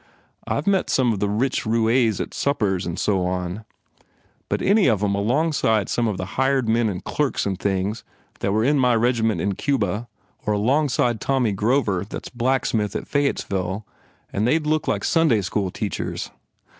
I ve met some of the rich roues at suppers and THE FAIR REWARDS so on. Put any of em alongside some of the hired men and clerks and things that were in my regiment in Cuba or alongside Tommy Grover that s blacksmith at Fayettesville and they d look like Sunday School teachers.